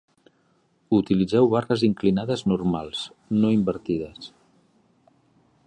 Utilitzeu barres inclinades normals, no invertides.